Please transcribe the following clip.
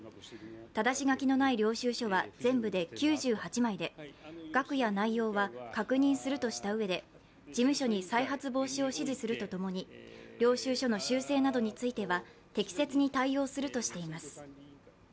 ただし書きのない領収書は全部で９８枚で額や内容は確認するとしたうえで、事務所に再発防止を指示するとともに領収書の修正などについては適切に対応するとしています。